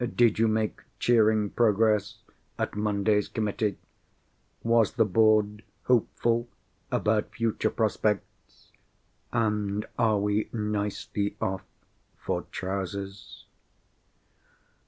Did you make cheering progress at Monday's Committee? Was the Board hopeful about future prospects? And are we nicely off for Trousers?"